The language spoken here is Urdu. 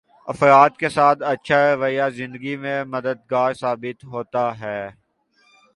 افراد کے ساتھ اچھا رویہ زندگی میں مددگار ثابت ہوتا ہے